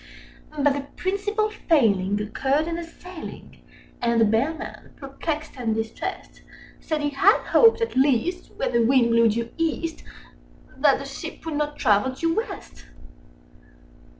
But the principal failing occurred in the sailing, Â Â Â Â And the Bellman, perplexed and distressed, Said he had hoped, at least, when the wind blew due East, Â Â Â Â That the ship would not travel due West!